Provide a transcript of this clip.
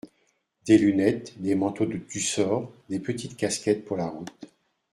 Des lunettes, des manteaux de tussor, des petites casquettes pour la route.